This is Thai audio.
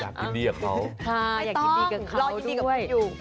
อยากยินดีกับเขาไม่ต้องรออยินดีกับนทอยู่